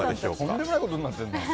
とんでもないことになってるな。